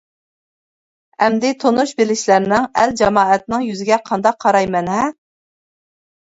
ئەمدى تونۇش بىلىشلەرنىڭ، ئەل-جامائەتنىڭ يۈزىگە قانداق قارايمەن ھە!